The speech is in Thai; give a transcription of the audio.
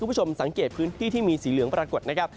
คุณผู้ชมสังเกตพื้นที่ที่มีสีเหลืองปรากฏนะครับ